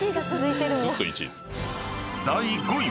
［第５位は］